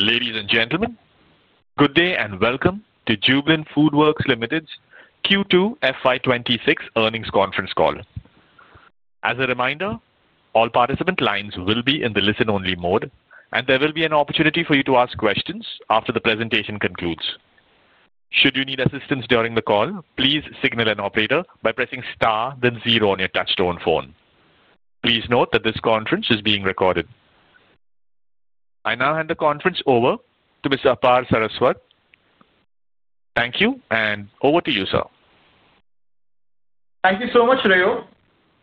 Ladies and gentlemen, good day and welcome to Jubilant FoodWorks Limited's Q2 FY 2026 earnings conference call. As a reminder, all participant lines will be in the listen-only mode, and there will be an opportunity for you to ask questions after the presentation concludes. Should you need assistance during the call, please signal an operator by pressing star, then zero on your touchstone phone. Please note that this conference is being recorded. I now hand the conference over to Mr. Apaar Saraswat. Thank you, and over to you, sir. Thank you so much, Rayo.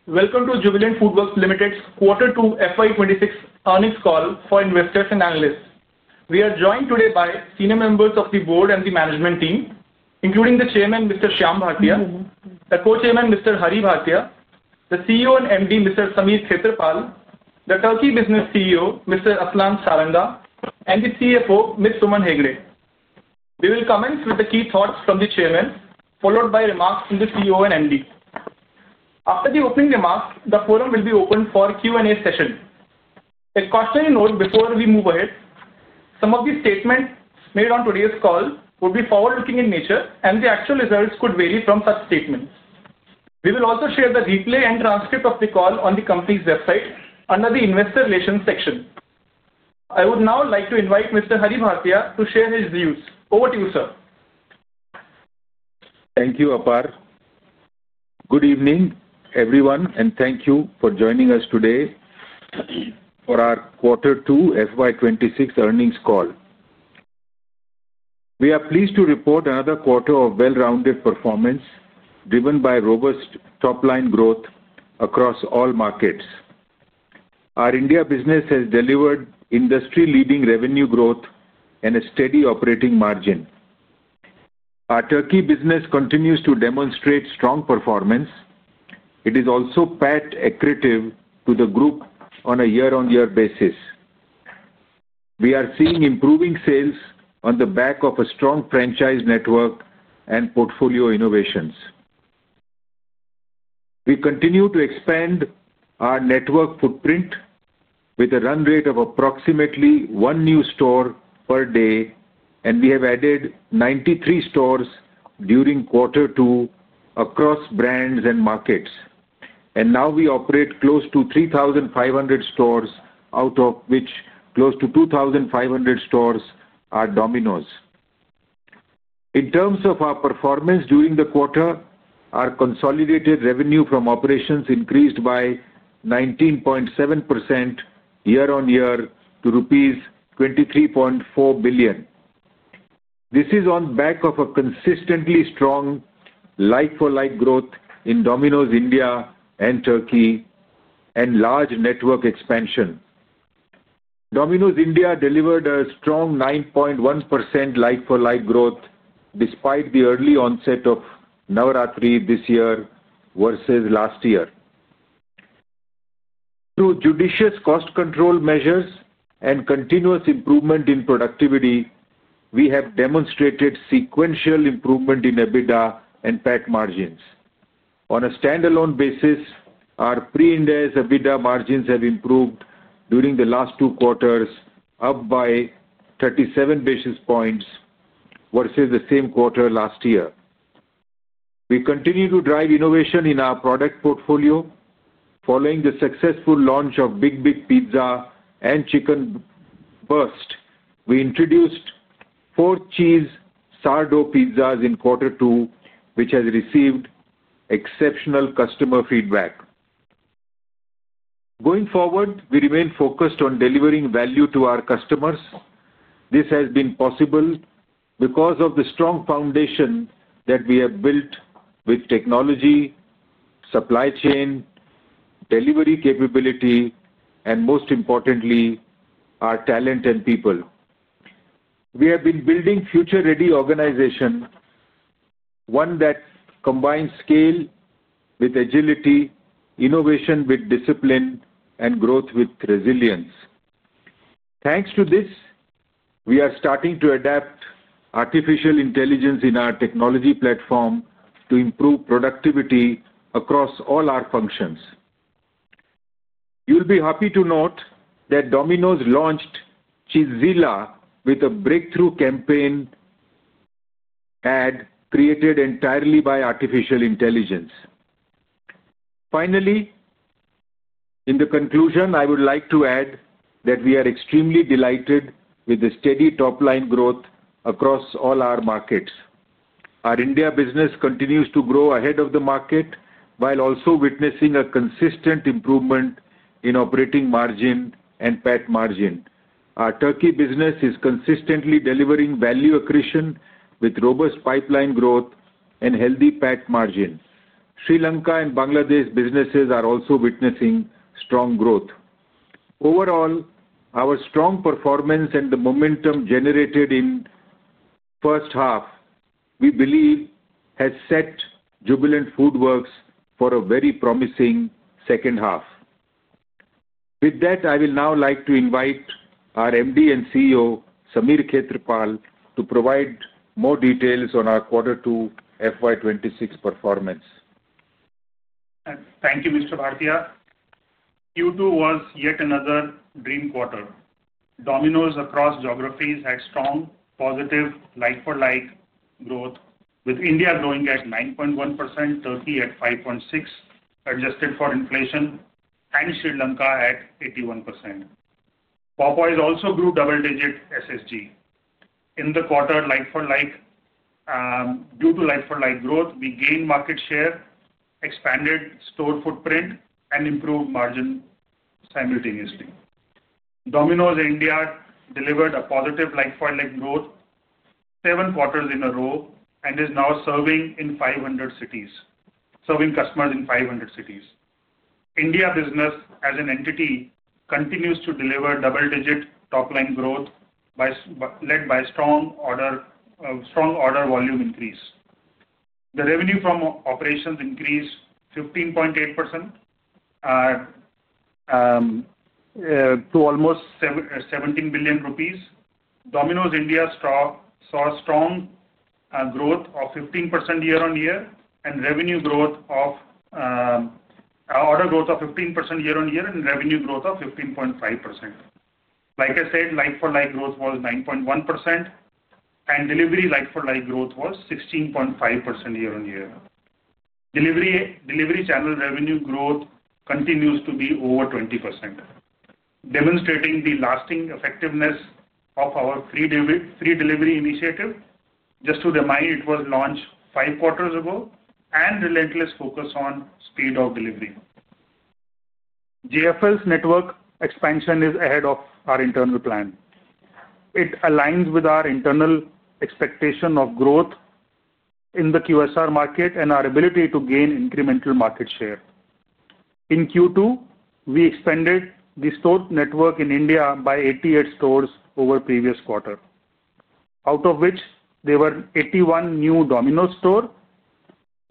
Welcome to Jubilant FoodWorks Limited's Quarter 2 FY 2026 earnings call for investors and analysts. We are joined today by senior members of the board and the management team, including the Chairman, Mr. Shyam Bhartiya, the Co-Chairman, Mr. Hari Bhartiya, the CEO and MD, Mr. Sameer Khetarpal, the Turkey Business CEO, Mr. Aslan Saranga, and the CFO, Ms. Suman Hegde. We will commence with the key thoughts from the Chairman, followed by remarks from the CEO and MD. After the opening remarks, the forum will be open for Q&A session. A cautionary note before we move ahead: some of the statements made on today's call would be forward-looking in nature, and the actual results could vary from such statements. We will also share the replay and transcript of the call on the company's website under the Investor Relations section. I would now like to invite Mr. Hari Bhartia to share his views. Over to you, sir. Thank you, Apaar. Good evening, everyone, and thank you for joining us today for our Quarter 2 FY 2026 earnings call. We are pleased to report another quarter of well-rounded performance, driven by robust top-line growth across all markets. Our India business has delivered industry-leading revenue growth and a steady operating margin. Our Turkey business continues to demonstrate strong performance. It is also profit accretive to the group on a year-on-year basis. We are seeing improving sales on the back of a strong franchise network and portfolio innovations. We continue to expand our network footprint with a run rate of approximately one new store per day, and we have added 93 stores during Quarter 2 across brands and markets. We now operate close to 3,500 stores, out of which close to 2,500 stores are Domino's. In terms of our performance during the quarter, our consolidated revenue from operations increased by 19.7% year-on-year to rupees 23.4 billion. This is on the back of a consistently strong like-for-like growth in Domino's India and Turkey, and large network expansion. Domino's India delivered a strong 9.1% like-for-like growth despite the early onset of Navratri this year versus last year. Through judicious cost control measures and continuous improvement in productivity, we have demonstrated sequential improvement in EBITDA and PET margins. On a standalone basis, our pre-index EBITDA margins have improved during the last two quarters, up by 37 basis points versus the same quarter last year. We continue to drive innovation in our product portfolio. Following the successful launch of Big Big Pizza and Chicken Burst, we introduced Four Cheese Sourdough Pizza in Quarter 2, which has received exceptional customer feedback. Going forward, we remain focused on delivering value to our customers. This has been possible because of the strong foundation that we have built with technology, supply chain, delivery capability, and most importantly, our talent and people. We have been building a future-ready organization, one that combines scale with agility, innovation with discipline, and growth with resilience. Thanks to this, we are starting to adapt artificial intelligence in our technology platform to improve productivity across all our functions. You'll be happy to note that Domino's launched Cheezilla with a breakthrough campaign ad created entirely by artificial intelligence. Finally, in the conclusion, I would like to add that we are extremely delighted with the steady top-line growth across all our markets. Our India business continues to grow ahead of the market while also witnessing a consistent improvement in operating margin and PET margin. Our Turkey business is consistently delivering value accretion with robust pipeline growth and healthy PET margin. Sri Lanka and Bangladesh businesses are also witnessing strong growth. Overall, our strong performance and the momentum generated in the first half, we believe, has set Jubilant FoodWorks for a very promising second half. With that, I will now like to invite our MD and CEO, Sameer Khetarpal, to provide more details on our Quarter 2 FY 2026 performance. Thank you, Mr. Bhartiya. Q2 was yet another dream quarter. Domino's across geographies had strong positive like-for-like growth, with India growing at 9.1%, Turkey at 5.6% adjusted for inflation, and Sri Lanka at 81%. Popeyes also grew double-digit SSG. In the quarter like-for-like, due to like-for-like growth, we gained market share, expanded store footprint, and improved margin simultaneously. Domino's India delivered a positive like-for-like growth seven quarters in a row and is now serving in 500 cities, serving customers in 500 cities. India business as an entity continues to deliver double-digit top-line growth led by strong order volume increase. The revenue from operations increased 15.8% to almost 17 billion rupees. Domino's India saw strong growth of 15% year-on-year and revenue growth of order growth of 15% year-on-year and revenue growth of 15.5%. Like I said, like-for-like growth was 9.1%, and delivery like-for-like growth was 16.5% year-on-year. Delivery channel revenue growth continues to be over 20%, demonstrating the lasting effectiveness of our free delivery initiative. Just to remind, it was launched five quarters ago and relentless focus on speed of delivery. JFL's network expansion is ahead of our internal plan. It aligns with our internal expectation of growth in the QSR market and our ability to gain incremental market share. In Q2, we expanded the store network in India by 88 stores over the previous quarter, out of which there were 81 new Domino's stores.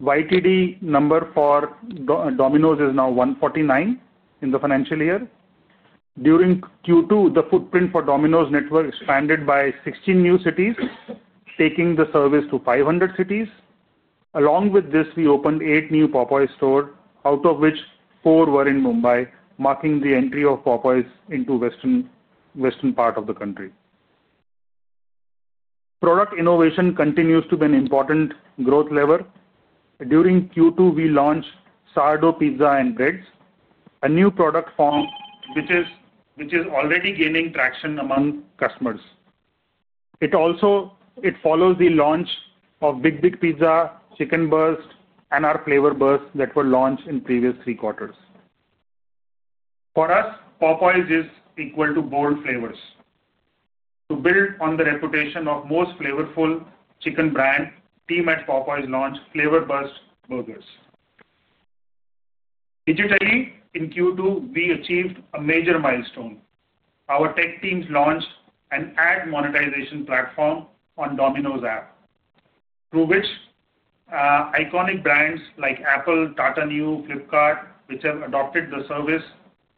YTD number for Domino's is now 149 in the financial year. During Q2, the footprint for Domino's network expanded by 16 new cities, taking the service to 500 cities. Along with this, we opened eight new Popeyes stores, out of which four were in Mumbai, marking the entry of Popeyes into the western part of the country. Product innovation continues to be an important growth lever. During Q2, we launched Sourdough Pizza and Breads, a new product form which is already gaining traction among customers. It follows the launch of Big Big Pizza, Chicken Burst, and our Flavor Burst that were launched in the previous three quarters. For us, Popeyes is equal to bold flavors. To build on the reputation of the most flavorful chicken brand, team at Popeyes launched Flavor Burst burgers. Digitally, in Q2, we achieved a major milestone. Our tech teams launched an ad monetization platform on Domino's app, through which iconic brands like Apple, Tata Neu, and Flipkart, which have adopted the service,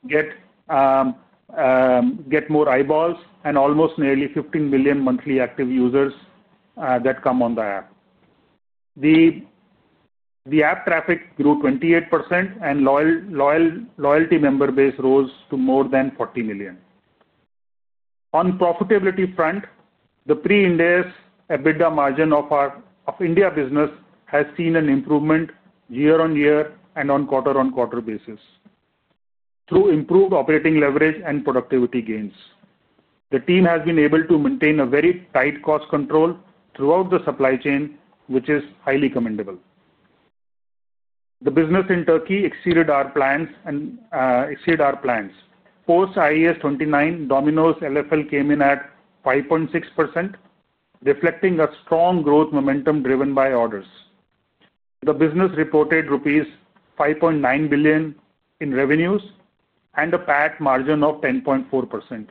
get more eyeballs and almost nearly 15 million monthly active users that come on the app. The app traffic grew 28%, and loyalty member base rose to more than 40 million. On the profitability front, the pre-index EBITDA margin of India business has seen an improvement year-on-year and on quarter-on-quarter basis through improved operating leverage and productivity gains. The team has been able to maintain a very tight cost control throughout the supply chain, which is highly commendable. The business in Turkey exceeded our plans. Post-IES 2029, Domino's LFL came in at 5.6%, reflecting a strong growth momentum driven by orders. The business reported rupees 5.9 billion in revenues and a PET margin of 10.4%.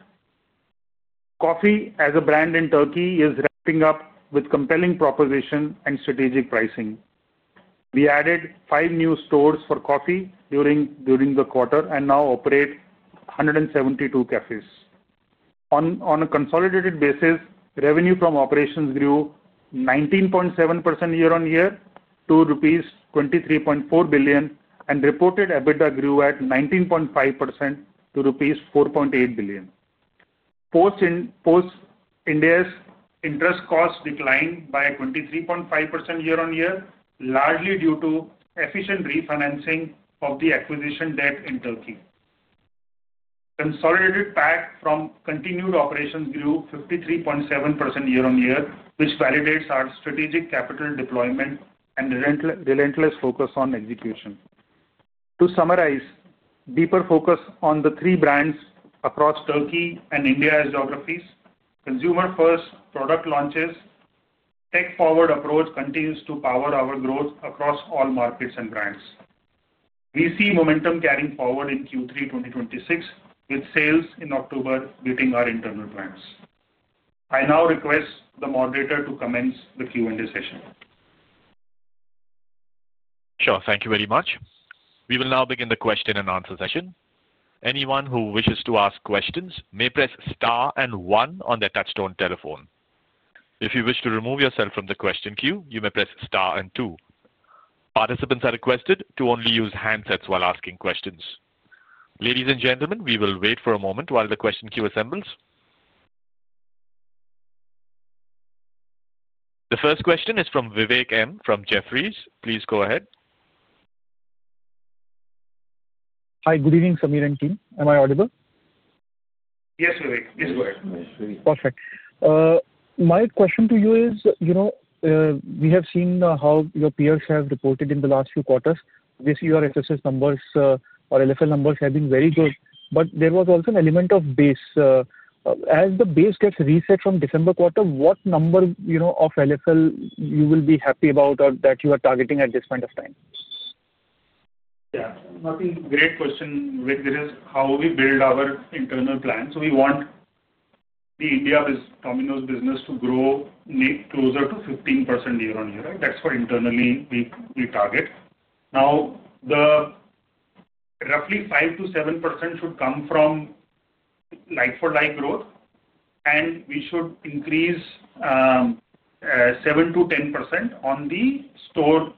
Coffee, as a brand in Turkey, is ramping up with compelling proposition and strategic pricing. We added five new stores for coffee during the quarter and now operate 172 cafes. On a consolidated basis, revenue from operations grew 19.7% year-on-year to rupees 23.4 billion and reported EBITDA grew at 19.5% to rupees 4.8 billion. Post-INDEX, interest costs declined by 23.5% year-on-year, largely due to efficient refinancing of the acquisition debt in Turkey. Consolidated PAT from continued operations grew 53.7% year-on-year, which validates our strategic capital deployment and relentless focus on execution. To summarize, deeper focus on the three brands across Turkey and India as geographies, consumer-first product launches, and tech-forward approach continues to power our growth across all markets and brands. We see momentum carrying forward in Q3 2026, with sales in October beating our internal plans. I now request the moderator to commence the Q&A session. Sure, thank you very much. We will now begin the question-and-answer session. Anyone who wishes to ask questions may press star and one on their touchstone telephone. If you wish to remove yourself from the question queue, you may press star and two. Participants are requested to only use handsets while asking questions. Ladies and gentlemen, we will wait for a moment while the question queue assembles. The first question is from Vivek Maheshwari from Jefferies. Please go ahead. Hi, good evening, Sameer and team. Am I audible? Yes, Vivek. Please go ahead. Perfect. My question to you is, we have seen how your peers have reported in the last few quarters. Obviously, your FSS numbers or LFL numbers have been very good, but there was also an element of base. As the base gets reset from December quarter, what number of LFL you will be happy about or that you are targeting at this point of time? Yeah, nothing. Great question. Vivek, it is how we build our internal plans. We want the India business, Domino's business, to grow closer to 15% year-on-year. That's what internally we target. Now, roughly 5%-7% should come from like-for-like growth, and we should increase 7%-10% on the store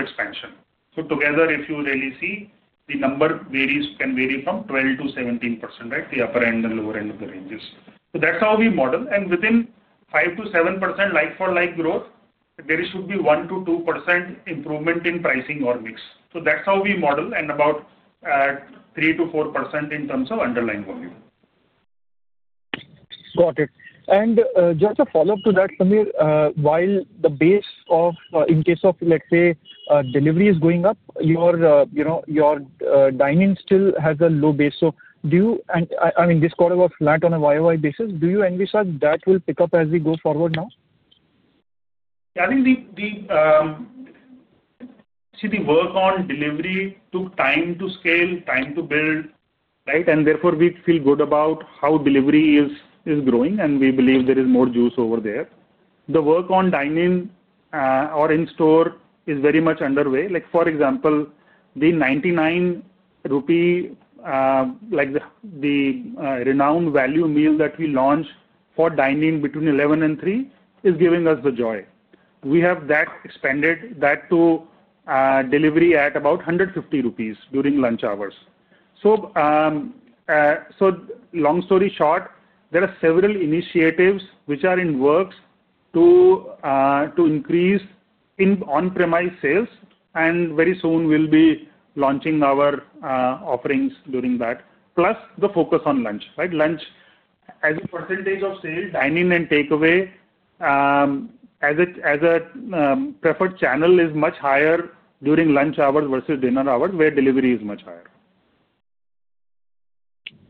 expansion. Together, if you really see, the number can vary from 12%-17%, the upper end and lower end of the ranges. That's how we model. Within 5%-7% like-for-like growth, there should be 1%-2% improvement in pricing or mix. That's how we model, and about 3%-4% in terms of underlying volume. Got it. And just a follow-up to that, Sameer, while the base of, in case of, let's say, delivery is going up, your dining still has a low base. So do you, and I mean, this quarter was flat on a year-over-year basis. Do you envisage that will pick up as we go forward now? Yeah, I think the work on delivery took time to scale, time to build, and therefore we feel good about how delivery is growing, and we believe there is more juice over there. The work on dining or in-store is very much underway. For example, the 99 rupee, the renowned value meal that we launched for dining between 11:00 A.M. and 3:00 P.M. is giving us the joy. We have expanded that to delivery at about 150 rupees during lunch hours. Long story short, there are several initiatives which are in works to increase on-premise sales, and very soon we'll be launching our offerings during that, plus the focus on lunch. Lunch, as a percentage of sale, dining and takeaway, as a preferred channel, is much higher during lunch hours versus dinner hours, where delivery is much higher.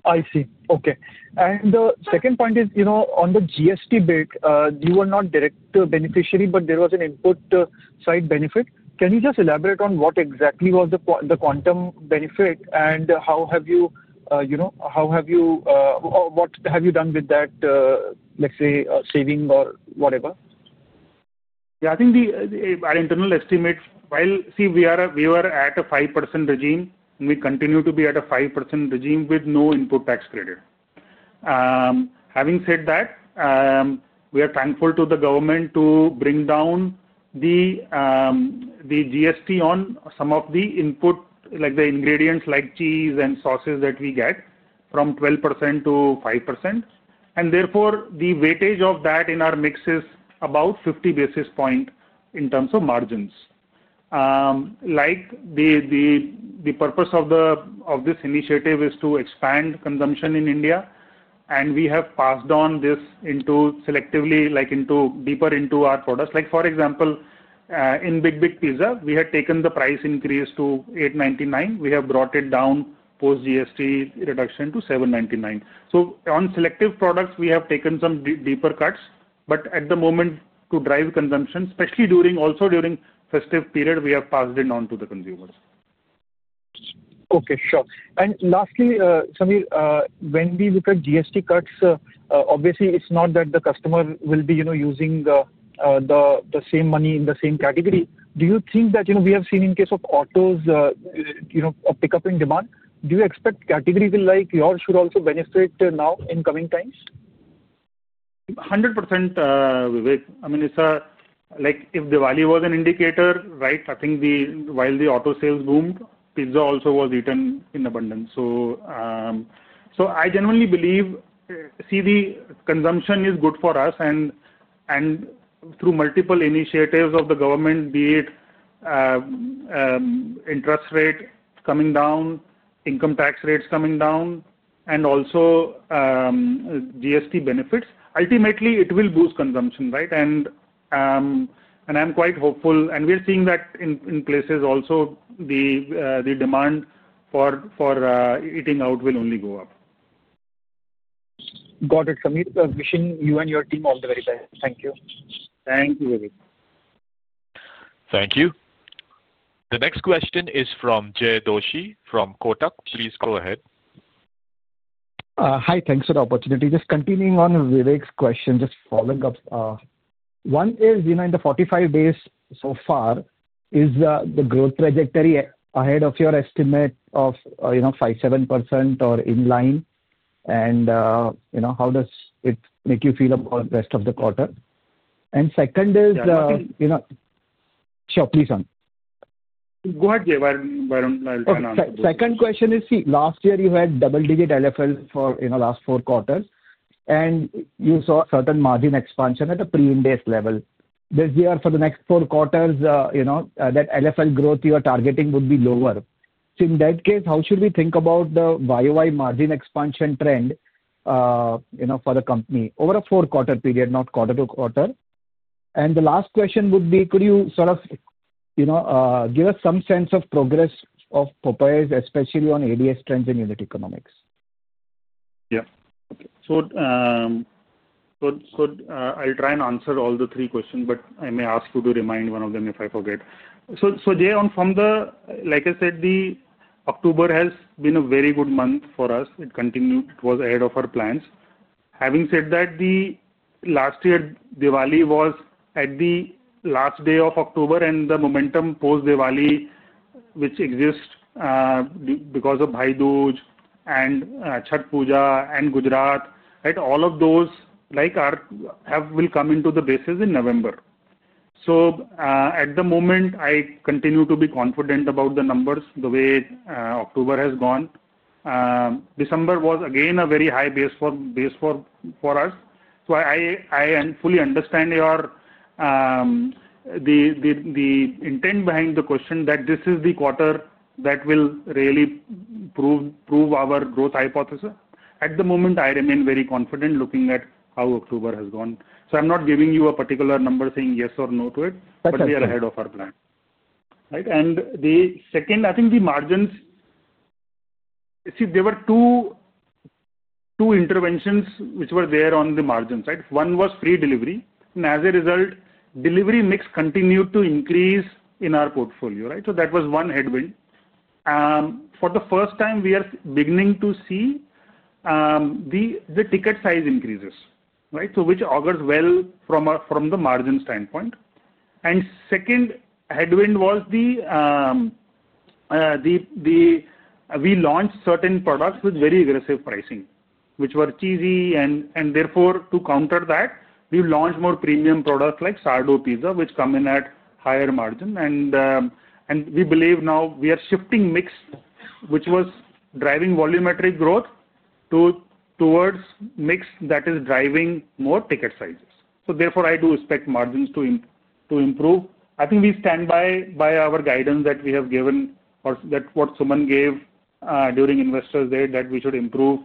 I see. Okay. The second point is, on the GST bit, you were not a direct beneficiary, but there was an input side benefit. Can you just elaborate on what exactly was the quantum benefit, and what have you done with that, let's say, saving or whatever? Yeah, I think our internal estimate, see, we were at a 5% regime. We continue to be at a 5% regime with no input tax credit. Having said that, we are thankful to the government to bring down the GST on some of the input, like the ingredients like cheese and sauces that we get from 12%-5%. Therefore, the weightage of that in our mix is about 50 basis points in terms of margins. The purpose of this initiative is to expand consumption in India, and we have passed on this selectively deeper into our products. For example, in Big Big Pizza, we had taken the price increase to 899. We have brought it down post-GST reduction to 799. On selective products, we have taken some deeper cuts, but at the moment, to drive consumption, especially also during festive period, we have passed it on to the consumers. Okay, sure. Lastly, Sameer, when we look at GST cuts, obviously, it's not that the customer will be using the same money in the same category. Do you think that we have seen, in case of autos, a pickup in demand? Do you expect categories like yours should also benefit now in coming times? 100%, Vivek. I mean, if Diwali was an indicator, I think while the auto sales boomed, pizza also was eaten in abundance. I genuinely believe, see, the consumption is good for us, and through multiple initiatives of the government, be it interest rate coming down, income tax rates coming down, and also GST benefits, ultimately, it will boost consumption. I'm quite hopeful, and we are seeing that in places also, the demand for eating out will only go up. Got it. Sameer, wishing you and your team all the very best. Thank you. Thank you, Vivek. Thank you. The next question is from Jay Doshi from Kotak. Please go ahead. Hi, thanks for the opportunity. Just continuing on Vivek's question, just following up. One is, in the 45 days so far, is the growth trajectory ahead of your estimate of 5%-7%, or in line? How does it make you feel about the rest of the quarter? Second is. Okay. Sure, please go on. Go ahead, Jay. I'll try and answer first. Second question is, see, last year, you had double-digit LFL for the last four quarters, and you saw a certain margin expansion at a pre-index level. This year, for the next four quarters, that LFL growth you are targeting would be lower. In that case, how should we think about the YoY margin expansion trend for the company over a four-quarter period, not quarter to quarter? The last question would be, could you sort of give us some sense of progress of Popeyes, especially on ADS trends in unit economics? Yeah. I'll try and answer all the three questions, but I may ask you to remind one of them if I forget. Jay, like I said, October has been a very good month for us. It continued; it was ahead of our plans. Having said that, last year, Diwali was at the last day of October, and the momentum post-Diwali, which exists because of Bhai Dooj and Chhatpujha and Gujarat, all of those will come into the basis in November. At the moment, I continue to be confident about the numbers the way October has gone. December was, again, a very high base for us. I fully understand the intent behind the question that this is the quarter that will really prove our growth hypothesis. At the moment, I remain very confident, looking at how October has gone. I'm not giving you a particular number, saying yes or no to it, but we are ahead of our plan. The margins, see, there were two interventions which were there on the margins. One was free delivery. As a result, delivery mix continued to increase in our portfolio. That was one headwind. For the first time, we are beginning to see the ticket size increases, which augurs well from the margin standpoint. The second headwind was that we launched certain products with very aggressive pricing, which were cheesy. Therefore, to counter that, we launched more premium products like Sourdough Pizza, which come in at higher margin. We believe now we are shifting mix, which was driving volumetric growth, towards mix that is driving more ticket sizes. Therefore, I do expect margins to improve. I think we stand by our guidance that we have given or that what someone gave during investors there that we should improve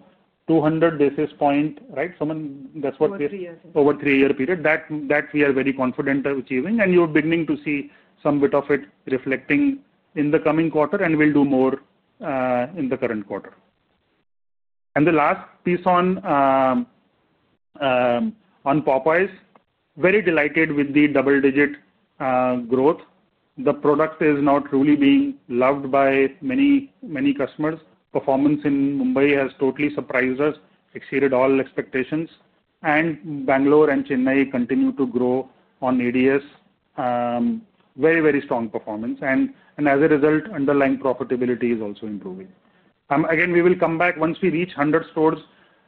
200 basis points. That's what we are. Over three years. Over three-year period. That we are very confident achieving, and you are beginning to see some bit of it reflecting in the coming quarter, and we will do more in the current quarter. The last piece on Popeyes, very delighted with the double-digit growth. The product is now truly being loved by many customers. Performance in Mumbai has totally surprised us, exceeded all expectations. Bangalore and Chennai continue to grow on ADS, very, very strong performance. As a result, underlying profitability is also improving. Again, we will come back. Once we reach 100 stores,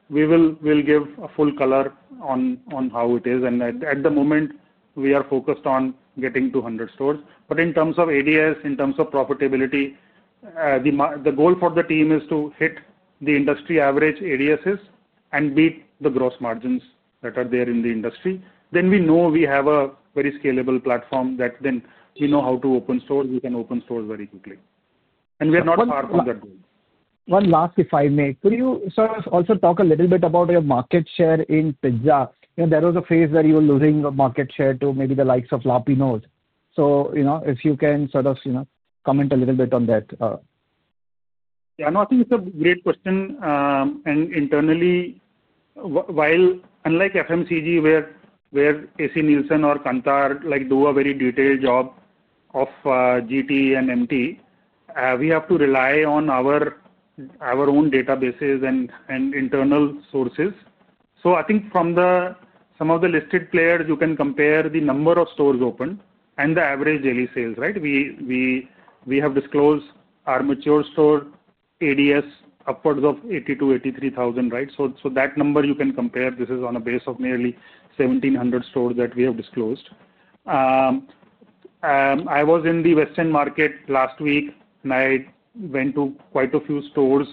we will give a full color on how it is. At the moment, we are focused on getting to 100 stores. In terms of ADS, in terms of profitability, the goal for the team is to hit the industry average ADSes and beat the gross margins that are there in the industry. We know we have a very scalable platform that we know how to open stores. We can open stores very quickly. We are not far from that goal. One last, if I may, could you sort of also talk a little bit about your market share in pizza? There was a phase where you were losing market share to maybe the likes of La Pinoz's. If you can sort of comment a little bit on that. Yeah, no, I think it's a great question. Internally, unlike FMCG, where AC Nielsen or Kantar do a very detailed job of GT and MT, we have to rely on our own databases and internal sources. I think from some of the listed players, you can compare the number of stores open and the average daily sales. We have disclosed our mature store ADS upwards of 82,000, 83,000. That number you can compare. This is on a base of nearly 1,700 stores that we have disclosed. I was in the Western market last week. I went to quite a few stores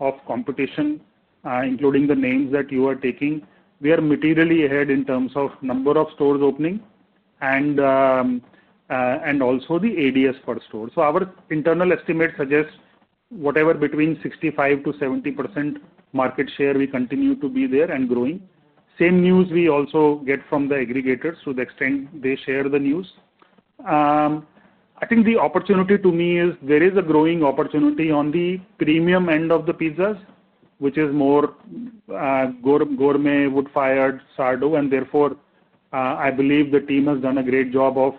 of competition, including the names that you are taking. We are materially ahead in terms of number of stores opening and also the ADS per store. Our internal estimate suggests whatever between 65%-70% market share, we continue to be there and growing. Same news we also get from the aggregators to the extent they share the news. I think the opportunity to me is there is a growing opportunity on the premium end of the pizzas, which is more gourmet, wood-fired, Sourdough. Therefore, I believe the team has done a great job of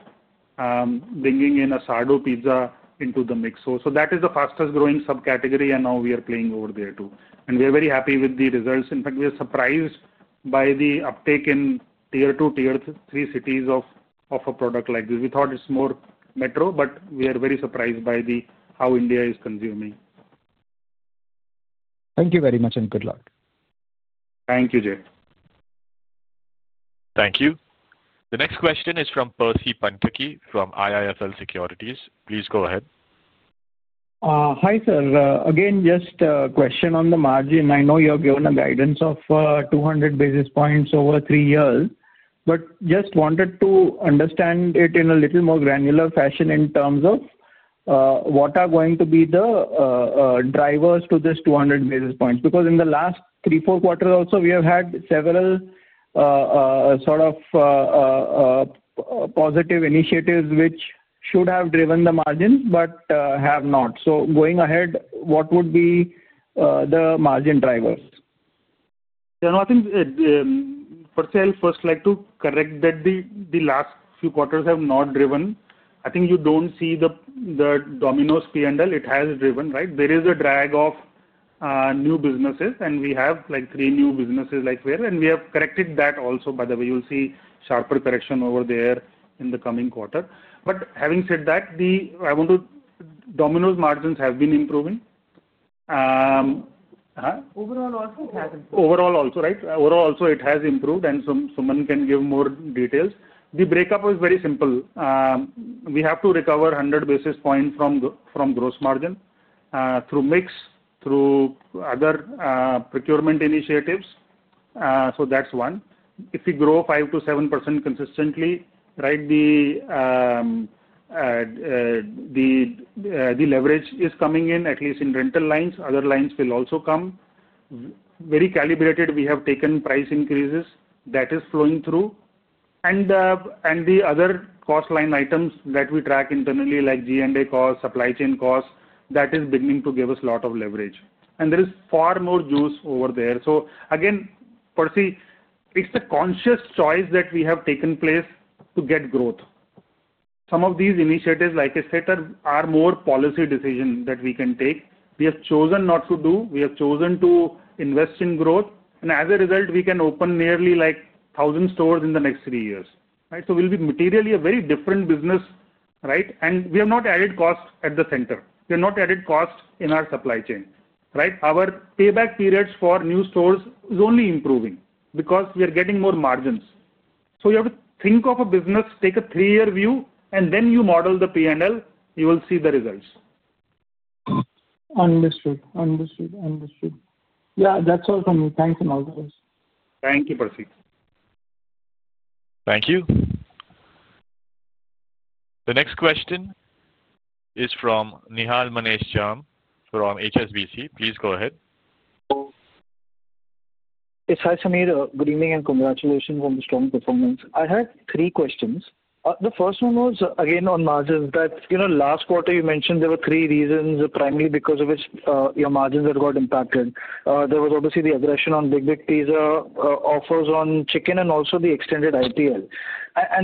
bringing in a Sourdough Pizza into the mix. That is the fastest growing subcategory, and now we are playing over there too. We are very happy with the results. In fact, we are surprised by the uptake in tier two, tier three cities of a product like this. We thought it is more metro, but we are very surprised by how India is consuming. Thank you very much and good luck. Thank you, Jay. Thank you. The next question is from Percy Panthaki from IIFL Securities. Please go ahead. Hi, sir. Again, just a question on the margin. I know you have given a guidance of 200 basis points over three years, but just wanted to understand it in a little more granular fashion in terms of what are going to be the drivers to this 200 basis points. Because in the last three, four quarters, also, we have had several sort of positive initiatives which should have driven the margins but have not. Going ahead, what would be the margin drivers? Yeah, no, I think for sale, first, like to correct that the last few quarters have not driven. I think you do not see the Domino's P&L. It has driven. There is a drag of new businesses, and we have three new businesses like there. We have corrected that also, by the way. You will see sharper correction over there in the coming quarter. Having said that, I want to say Domino's margins have been improving. Overall also, it has improved. Overall also, right? Overall also, it has improved, and Suman can give more details. The breakup was very simple. We have to recover 100 basis points from gross margin through mix, through other procurement initiatives. That is one. If we grow 5%-7% consistently, the leverage is coming in, at least in rental lines. Other lines will also come. Very calibrated, we have taken price increases. That is flowing through. The other cost line items that we track internally, like G&A cost, supply chain cost, that is beginning to give us a lot of leverage. There is far more juice over there. Again, Percy, it is the conscious choice that we have taken place to get growth. Some of these initiatives, like I said, are more policy decisions that we can take. We have chosen not to do. We have chosen to invest in growth. We can open nearly 1,000 stores in the next three years. We will be materially a very different business, and we have not added cost at the center. We have not added cost in our supply chain. Our payback periods for new stores is only improving because we are getting more margins. You have to think of a business, take a three-year view, and then you model the P&L. You will see the results. Understood. Yeah, that's all from me. Thanks a lot. Thank you, Percy. Thank you. The next question is from Nihal Mahesh Jham from HSBC. Please go ahead. Yes, hi Sameer. Good evening and congratulations on the strong performance. I had three questions. The first one was, again, on margins. That last quarter, you mentioned there were three reasons, primarily because of which your margins had got impacted. There was obviously the aggression on Big Big Pizza offers on chicken and also the extended IPL.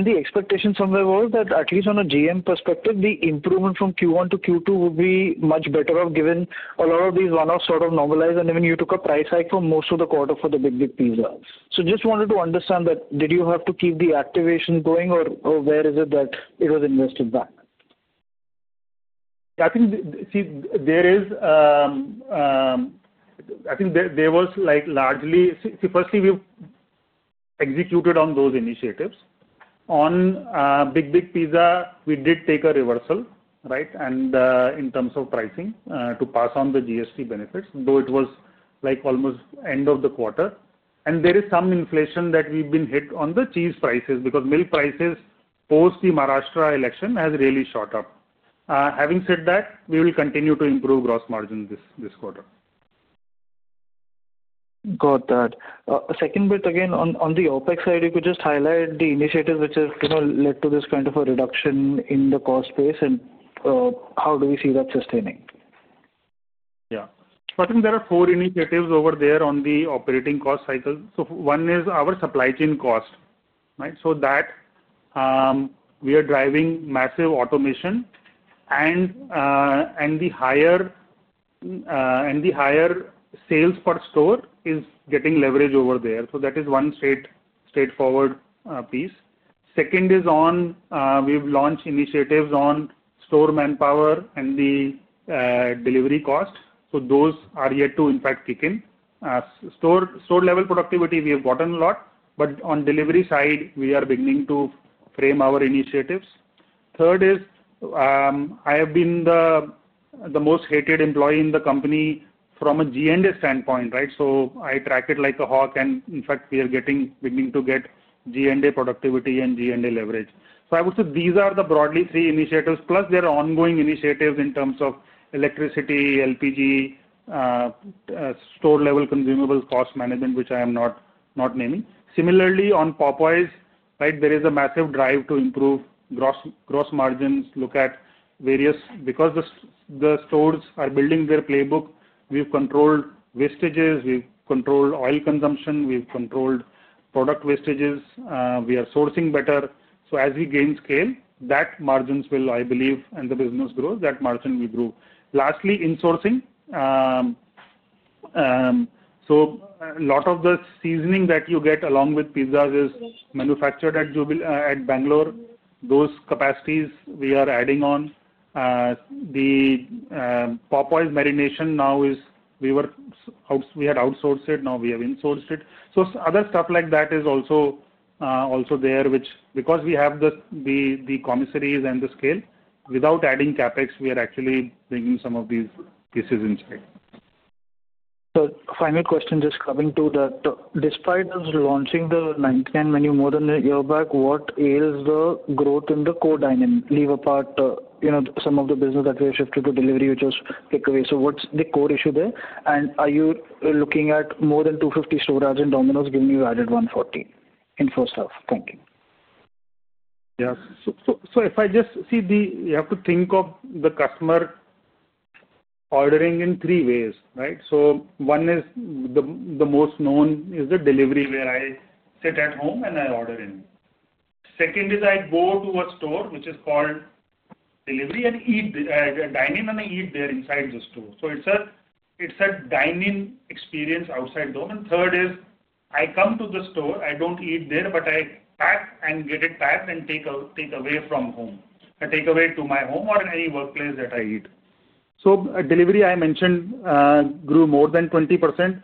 The expectation somewhere was that at least on a GM perspective, the improvement from Q1 to Q2 would be much better off given a lot of these one-offs sort of normalized. Even you took a price hike for most of the quarter for the Big Big Pizza. Just wanted to understand that did you have to keep the activation going, or where is it that it was invested back? I think, see, there is, I think there was largely, see, firstly, we executed on those initiatives. On Big Big Pizza, we did take a reversal in terms of pricing to pass on the GST benefits, though it was almost end of the quarter. There is some inflation that we've been hit on the cheese prices because milk prices post the Maharashtra election has really shot up. Having said that, we will continue to improve gross margins this quarter. Got that. Second bit, again, on the OpEx side, if you could just highlight the initiatives which have led to this kind of a reduction in the cost space, and how do we see that sustaining? Yeah. I think there are four initiatives over there on the operating cost cycle. One is our supply chain cost. We are driving massive automation, and the higher sales per store is getting leverage over there. That is one straightforward piece. Second is we have launched initiatives on store manpower and the delivery cost. Those are yet to, in fact, kick in. Store-level productivity, we have gotten a lot, but on the delivery side, we are beginning to frame our initiatives. Third is I have been the most hated employee in the company from a G&A standpoint. I track it like a hawk, and in fact, we are beginning to get G&A productivity and G&A leverage. I would say these are the broadly three initiatives, plus there are ongoing initiatives in terms of electricity, LPG, store-level consumable cost management, which I am not naming. Similarly, on Popeyes, there is a massive drive to improve gross margins. Look at various because the stores are building their playbook. We have controlled wastages. We have controlled oil consumption. We have controlled product wastages. We are sourcing better. As we gain scale, that margin will, I believe, and the business grows, that margin will grow. Lastly, insourcing. A lot of the seasoning that you get along with pizzas is manufactured at Bangalore. Those capacities we are adding on. The Popeyes marination now is we had outsourced it. Now we have insourced it. Other stuff like that is also there, which because we have the commissaries and the scale, without adding CapEx, we are actually bringing some of these pieces inside. Final question just coming to that. Despite launching the 99 menu more than a year back, what ails the growth in the core dynamic, leave apart some of the business that we have shifted to delivery, which was takeaway? What's the core issue there? Are you looking at more than 250 store ads in Domino's given you've added 140 in first half? Thank you. Yeah. If I just see, you have to think of the customer ordering in three ways. One is the most known, which is the delivery where I sit at home and I order in. Second is I go to a store, which is called delivery, and eat at a dining and I eat there inside the store. It is a dining experience outside the home. Third is I come to the store, I do not eat there, but I get it packed and take away to my home or any workplace that I eat. Delivery, I mentioned, grew more than 20%.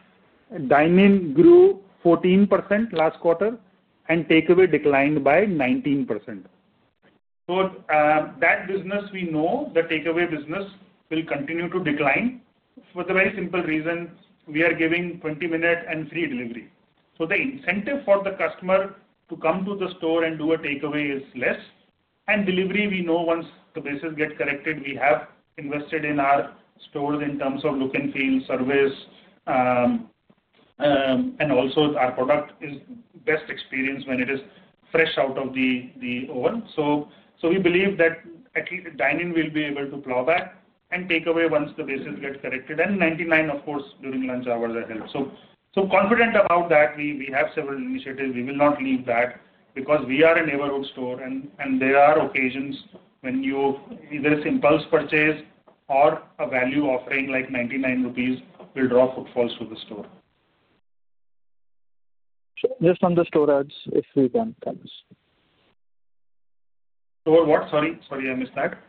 Dining grew 14% last quarter, and takeaway declined by 19%. That business, we know, the takeaway business will continue to decline for the very simple reason we are giving 20-minute and free delivery. The incentive for the customer to come to the store and do a takeaway is less. Delivery, we know once the basis gets corrected, we have invested in our stores in terms of look and feel, service, and also our product is best experienced when it is fresh out of the oven. We believe that dining will be able to plow back and takeaway once the basis gets corrected. Ninety-nine, of course, during lunch hours, are held. Confident about that. We have several initiatives. We will not leave that because we are a neighborhood store, and there are occasions when either it's impulse purchase or a value offering like 99 rupees will draw footfalls to the store. Just on the store ads, if we can kind of. Store what? Sorry, I missed that.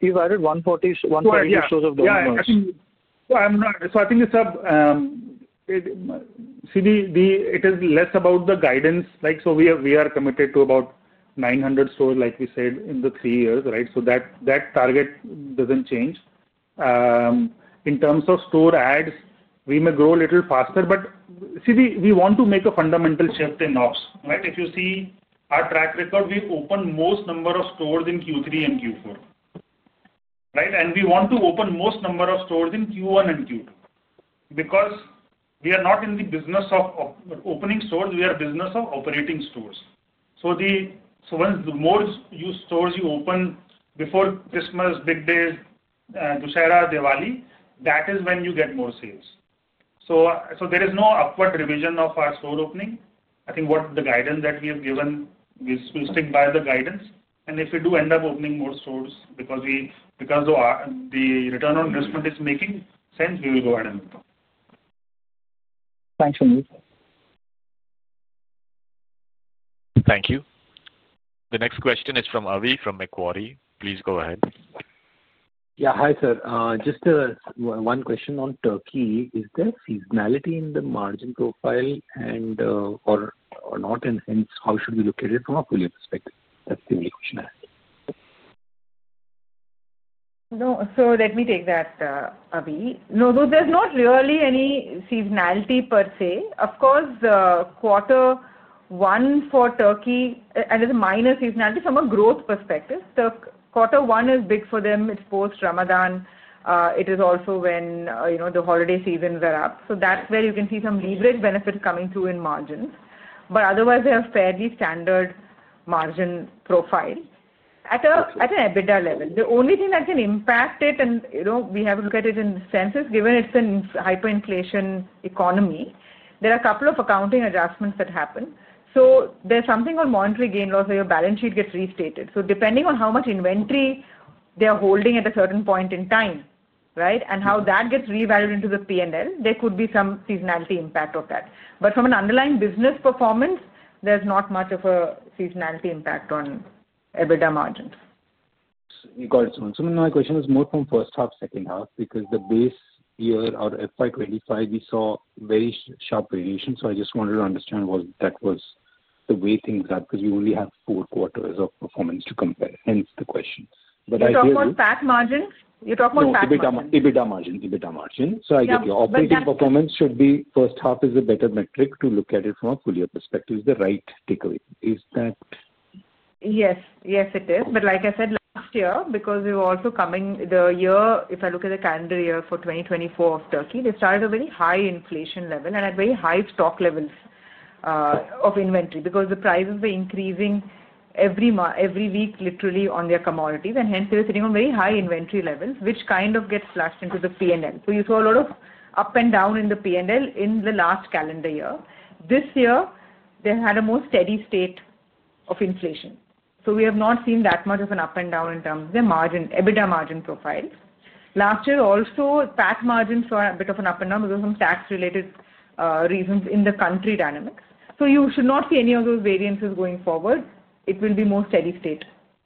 You've added 140 stores of Domino's. Yeah. I think it's a, see, it is less about the guidance. We are committed to about 900 stores, like we said, in the three years. That target doesn't change. In terms of store adds, we may grow a little faster, but see, we want to make a fundamental shift in ops. If you see our track record, we opened most number of stores in Q3 and Q4. We want to open most number of stores in Q1 and Q2 because we are not in the business of opening stores. We are in the business of operating stores. Once, the more stores you open before Christmas, big days, Dussehra, Diwali, that is when you get more sales. There is no upward revision of our store opening. I think what the guidance that we have given, we will stick by the guidance. If we do end up opening more stores because the return on investment is making sense, we will go ahead and move. Thank you. Thank you. The next question is from Avi from Macquarie. Please go ahead. Yeah, hi, sir. Just one question on Turkey. Is there seasonality in the margin profile or not? Hence, how should we look at it from a pulley perspective? That's the only question I have. Let me take that, Avi. No, there's not really any seasonality per se. Of course, quarter one for Turkey is a minor seasonality from a growth perspective. Quarter one is big for them. It's post-Ramadan. It is also when the holiday seasons are up. That's where you can see some leverage benefits coming through in margins. Otherwise, they have fairly standard margin profile at an EBITDA level. The only thing that can impact it, and we have to look at it in the census given it's a hyperinflation economy, there are a couple of accounting adjustments that happen. There's something called monetary gain loss where your balance sheet gets restated. Depending on how much inventory they are holding at a certain point in time and how that gets revalued into the P&L, there could be some seasonality impact of that. From an underlying business performance, there's not much of a seasonality impact on EBITDA margins. You got it, Suman. Suman, my question is more from first half, second half, because the base year or FY 2025, we saw very sharp variations. I just wanted to understand what that was, the way things are because we only have four quarters of performance to compare. Hence the question. I feel that. You talk about PAT margin? EBITDA margin. EBITDA margin. I get you. Operating performance should be first half is a better metric to look at it from a full year perspective. Is that the right takeaway? Is that? Yes. Yes, it is. Like I said, last year, because we were also coming the year, if I look at the calendar year for 2024 of Turkey, they started at a very high inflation level and at very high stock levels of inventory because the prices were increasing every week, literally, on their commodities. Hence, they were sitting on very high inventory levels, which kind of gets flashed into the P&L. You saw a lot of up and down in the P&L in the last calendar year. This year, they had a more steady state of inflation. We have not seen that much of an up and down in terms of their margin, EBITDA margin profile. Last year, also FAT margins saw a bit of an up and down because of some tax-related reasons in the country dynamics. You should not see any of those variances going forward. It will be more steady state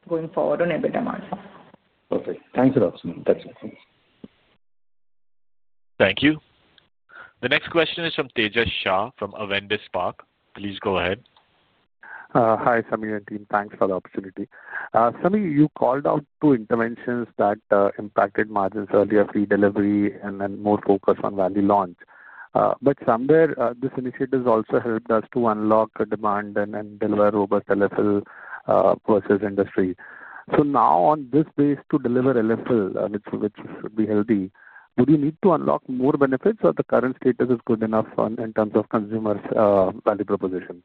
going forward on EBITDA margin. Perfect. Thanks a lot, Suman. Thanks a lot. Thank you. The next question is from Tejash Shah from Avendus Spark. Please go ahead. Hi, Sameer and team. Thanks for the opportunity. Some of you called out two interventions that impacted margins earlier, free delivery and then more focus on value launch. Somewhere, this initiative has also helped us to unlock demand and deliver robust LFL versus industry. Now, on this base to deliver LFL, which should be healthy, would you need to unlock more benefits, or is the current status good enough in terms of consumers' value proposition?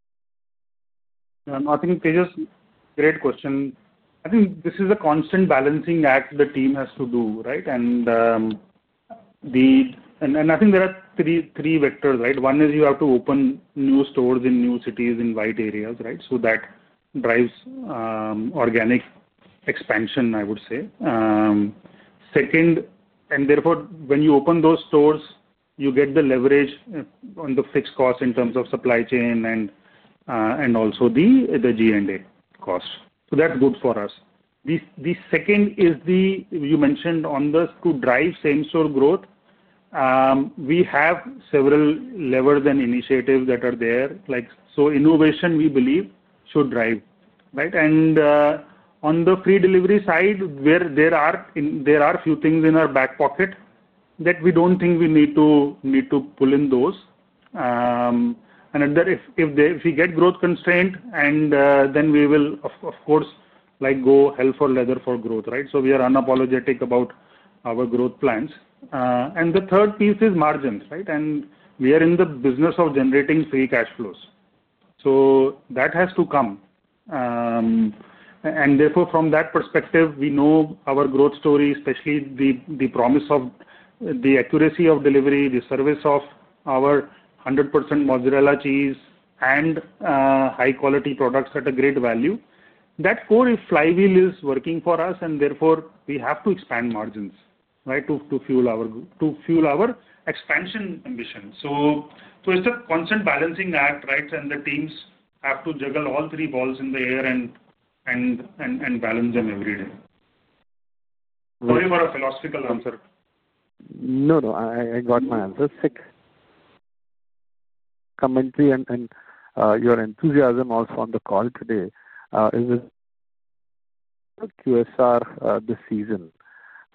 No, I think Tejash great question. I think this is a constant balancing act the team has to do. I think there are three vectors. One is you have to open new stores in new cities in white areas, so that drives organic expansion, I would say. Second, when you open those stores, you get the leverage on the fixed cost in terms of supply chain and also the G&A cost. That is good for us. The second is the you mentioned on this to drive same-store growth. We have several levels and initiatives that are there. Innovation, we believe, should drive. On the free delivery side, there are a few things in our back pocket that we do not think we need to pull in those. If we get growth constrained, then we will, of course, go hell for leather for growth. We are unapologetic about our growth plans. The third piece is margins. We are in the business of generating free cash flows, so that has to come. Therefore, from that perspective, we know our growth story, especially the promise of the accuracy of delivery, the service of our 100% mozzarella cheese and high-quality products at a great value. That core flywheel is working for us, and therefore, we have to expand margins to fuel our expansion ambition. It is a constant balancing act, and the teams have to juggle all three balls in the air and balance them every day. Sorry for a philosophical answer. No, no. I got my answer. Sixth commentary, and your enthusiasm also on the call today is QSR this season.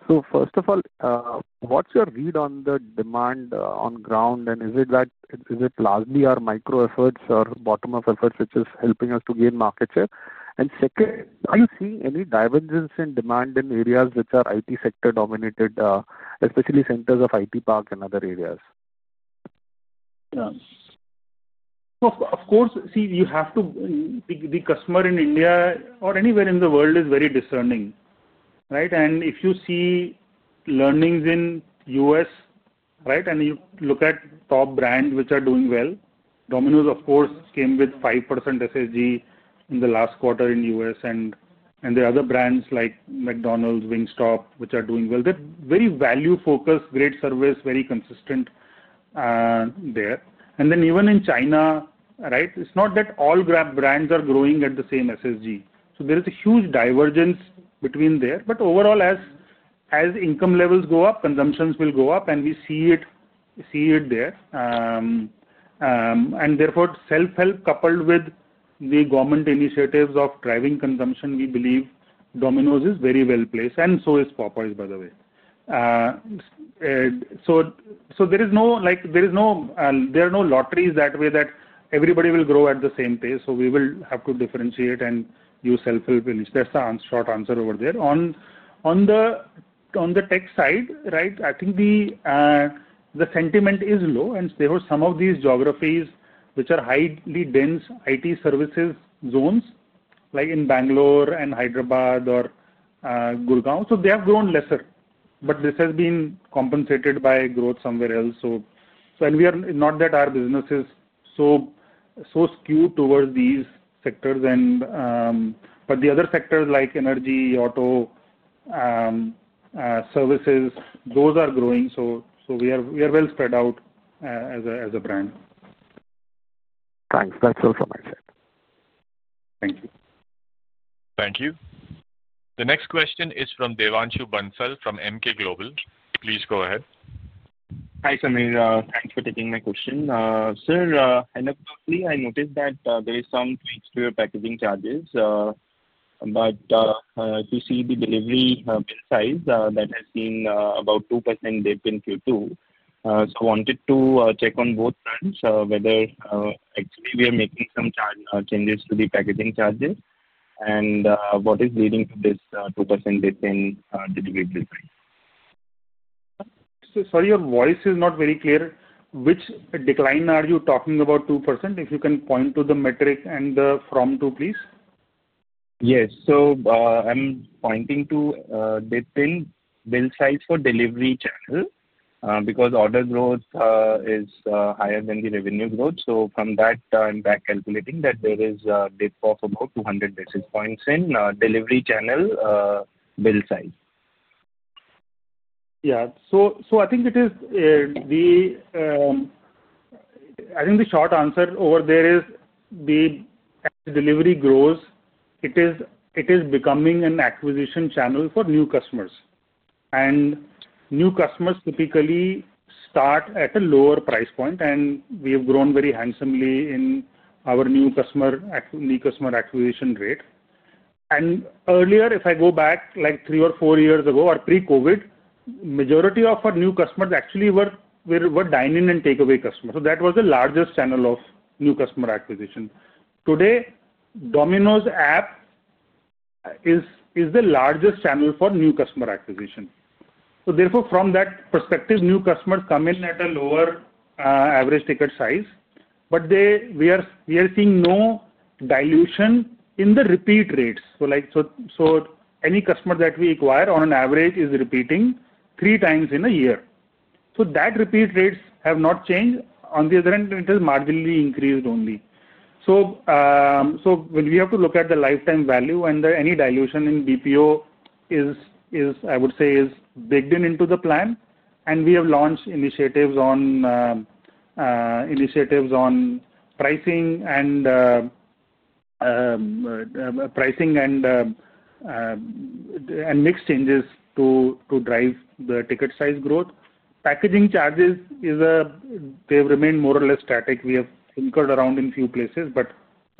First of all, what's your read on the demand on ground? Is it largely our micro efforts or bottom-up efforts which is helping us to gain market share? Second, are you seeing any divergence in demand in areas which are IT sector-dominated, especially centers of IT park and other areas? Yeah. Of course, see, you have to—the customer in India or anywhere in the world is very discerning. If you see learnings in the U.S., and you look at top brands which are doing well, Domino's, of course, came with 5% SSG in the last quarter in the U.S. There are other brands like McDonald's, Wingstop, which are doing well. They're very value-focused, great service, very consistent there. Even in China, it's not that all brands are growing at the same SSG. There is a huge divergence between there. Overall, as income levels go up, consumptions will go up, and we see it there. Therefore, self-help coupled with the government initiatives of driving consumption, we believe Domino's is very well placed. So is Popeyes, by the way. There are no lotteries that way that everybody will grow at the same pace. We will have to differentiate and use self-help initiative. That's the short answer over there. On the tech side, I think the sentiment is low. Therefore, some of these geographies, which are highly dense IT services zones, like in Bangalore and Hyderabad or Gurgaon, have grown lesser. This has been compensated by growth somewhere else. Not that our business is so skewed towards these sectors. The other sectors like energy, auto, services, those are growing. We are well spread out as a brand. Thanks. That's all from my side. Thank you. Thank you. The next question is from Devanshu Bansal from Emkay Global. Please go ahead. Hi, Sameer. Thanks for taking my question. Sir, I noticed that there are some tweaks to your packaging charges. If you see the delivery bill size, that has been about a 2% dip in Q2. I wanted to check on both fronts whether actually we are making some changes to the packaging charges and what is leading to this 2% dip in the delivery design. Sorry, your voice is not very clear. Which decline are you talking about, 2%? If you can point to the metric and the from to, please. Yes. I'm pointing to dip in bill size for delivery channel because order growth is higher than the revenue growth. From that, I'm calculating that there is a dip of about 200 basis points in delivery channel bill size. Yeah. I think the short answer over there is the delivery growth, it is becoming an acquisition channel for new customers. New customers typically start at a lower price point. We have grown very handsomely in our new customer acquisition rate. Earlier, if I go back like three or four years ago or pre-COVID, the majority of our new customers actually were dine-in and takeaway customers. That was the largest channel of new customer acquisition. Today, Domino's app is the largest channel for new customer acquisition. Therefore, from that perspective, new customers come in at a lower average ticket size. We are seeing no dilution in the repeat rates. Any customer that we acquire, on an average, is repeating three times in a year. That repeat rates have not changed. On the other hand, it has marginally increased only. When we have to look at the lifetime value and any dilution in BPO, I would say, is baked into the plan. We have launched initiatives on pricing and mix changes to drive the ticket size growth. Packaging charges, they have remained more or less static. We have tinkered around in a few places, but